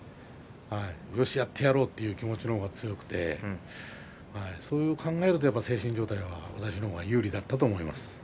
よしやってやろうという気持ちが強くてそういうことを考えると精神状態は私の方が有利だったと思います。